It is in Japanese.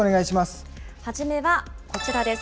初めはこちらです。